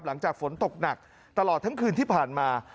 หลังจากฝนตกหนักตลอดทั้งคืนที่ผ่านมา